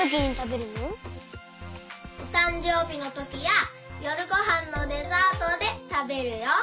おたんじょうびのときやよるごはんのデザートでたべるよ。